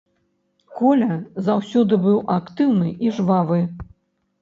Коля заўсёды быў актыўны і жвавы.